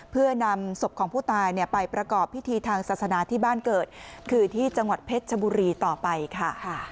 เพื่อนำศพของผู้ตายไปประกอบพิธีทางศาสนาที่บ้านเกิดคือที่จังหวัดเพชรชบุรีต่อไปค่ะ